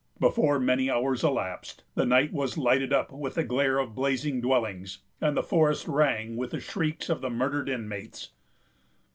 Before many hours elapsed, the night was lighted up with the glare of blazing dwellings, and the forest rang with the shrieks of the murdered inmates.